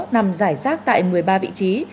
nằm giải rác tại một mươi ba vị trí